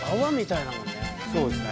そうですね。